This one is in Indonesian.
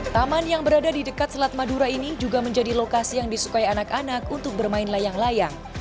taman yang berada di dekat selat madura ini juga menjadi lokasi yang disukai anak anak untuk bermain layang layang